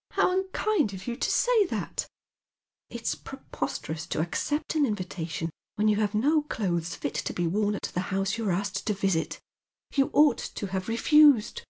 " How unkind of you to say that !"" It's preposterous to accept an invitation when yon have no clothes fit to be worn at the house you're asked to visit. You ought to have refused."